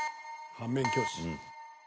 ［反面教師］